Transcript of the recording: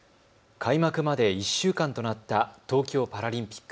開幕まで１週間となった東京パラリンピック。